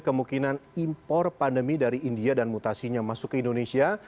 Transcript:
kemungkinan impor pandemi dari india dan mutasinya masuk ke indonesia